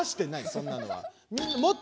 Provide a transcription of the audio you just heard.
そんなの！